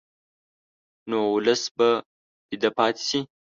نو ولس به ویده پاتې شي.